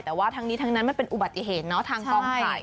แต่ว่าทั้งนี้ทั้งนั้นมันเป็นอุบัติเหตุเนาะทางกองถ่าย